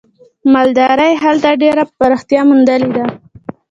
مالدارۍ هلته ډېره پراختیا موندلې ده.